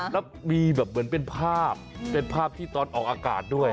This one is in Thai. แล้วมีเป็นภาพเป็นภาพที่ตอนออกอากาศด้วย